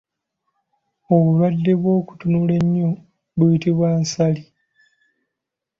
Obulwadde obw’okutunula ennyo buyitibwa Nsaali.